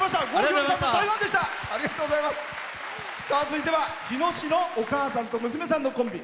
続いては日野市のお母さんと娘さんのコンビ。